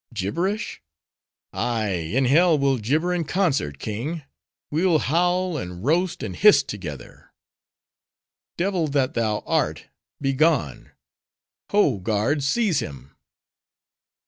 Gibberish? ay, in hell we'll gibber in concert, king! we'll howl, and roast, and hiss together!" "Devil that thou art, begone! Ho, guards! seize him!"